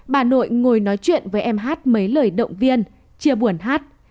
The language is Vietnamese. bà nội ngồi nói chuyện với em hát mấy lời động viên chia buồn hát